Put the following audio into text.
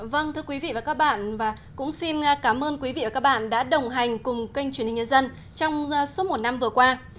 vâng thưa quý vị và các bạn và cũng xin cảm ơn quý vị và các bạn đã đồng hành cùng kênh truyền hình nhân dân trong suốt một năm vừa qua